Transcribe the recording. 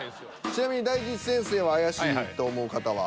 ちなみに大吉先生は怪しいと思う方は？